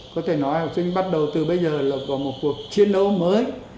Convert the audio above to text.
có thể nói học sinh bắt đầu từ bây giờ là có một cuộc chiến đấu mới